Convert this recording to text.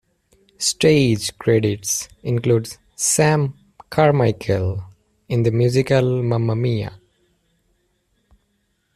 Stage credits include Sam Carmichael in the musical Mamma Mia!